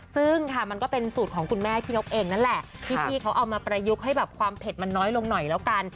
ซึ่งค่ะมันก็เป็นสูตรของคุณแม่พี่นกเองนั่นแหละที่พี่เขาเอามาประยุกต์ให้แบบความเผ็ดมันน้อยลงหน่อยแล้วกัน